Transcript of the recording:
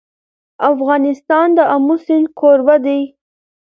افغانستان د آمو سیند کوربه دی.